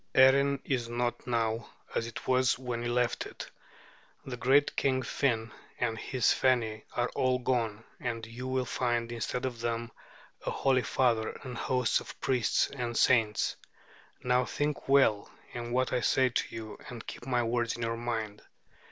Erin is not now as it was when you left it. The great king Finn and his Feni are all gone; and you will find, instead of them, a holy father and hosts of priests and saints. Now, think well on what I say to you, and keep my words in your mind.